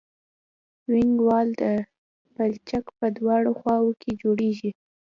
وینګ وال د پلچک په دواړو خواو کې جوړیږي